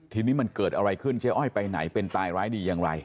ทีนี้มันเกิดอะไรขึ้นเจ๊อ้อยไปไหนเป็นตายร้ายดีอย่างไร